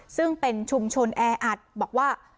ซึ่งเป็นชุมชนแออัดบอกว่า